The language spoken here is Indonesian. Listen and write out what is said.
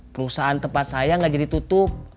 perusahaan tempat saya nggak jadi tutup